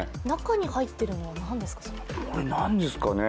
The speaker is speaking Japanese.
中に入っているのは何ですか？